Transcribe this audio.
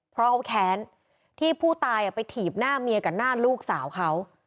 เพราะเขาแค้นที่ผู้ตายไปถีบหน้าเมียกับหน้าลูกสาวเขา